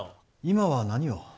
今は何を？